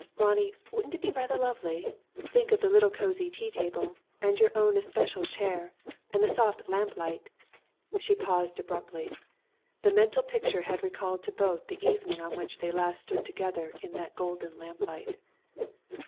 Ronnie, wouldn't it be rather lovely? Think of the little cosy tea table, and your own especial chair, and the soft lamp light " She paused abruptly. The mental picture had recalled to both the evening on which they last stood together in that golden lamplight.